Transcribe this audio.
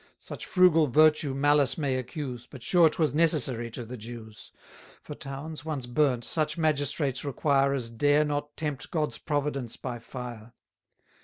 Such frugal virtue malice may accuse, But sure 'twas necessary to the Jews; For towns, once burnt, such magistrates require As dare not tempt God's providence by fire.